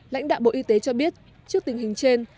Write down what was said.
lãnh đạo bộ y tế cho biết trước tình hình trên